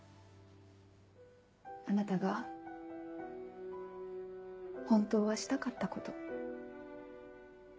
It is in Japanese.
あなたが本当はしたかったこと。